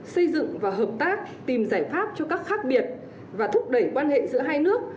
xây dựng và hợp tác tìm giải pháp cho các khác biệt và thúc đẩy quan hệ giữa hai nước